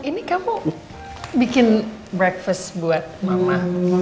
ini kamu bikin breakfast buat mama